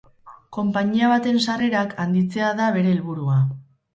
Konpainia baten sarrerak handitzea da bere helburua.